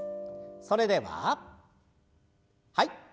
それでははい。